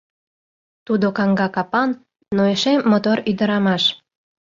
Тудо каҥга капан, но эше мотор ӱдырамаш.